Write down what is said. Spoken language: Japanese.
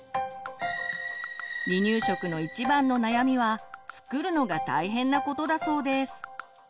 離乳食の一番の悩みは作るのが大変なことだそうです。